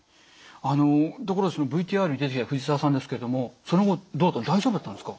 ところでそのＶＴＲに出てきた藤沢さんですけれどもその後どうだった大丈夫だったんですか？